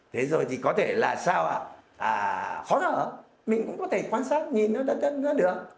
thế rồi thì có thể là sao ạ à khó thở mình cũng có thể quan sát nhìn nó đắn đắn ra được